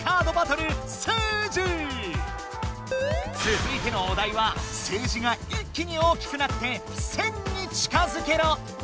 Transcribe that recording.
つづいてのお題は数字が一気に大きくなって「１，０００に近づけろ！」。